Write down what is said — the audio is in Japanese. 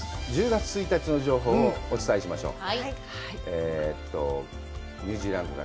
１０月１日の情報をお伝えしましょう。